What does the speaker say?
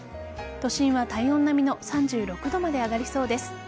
都心は体温並みの３６度まで上がりそうです。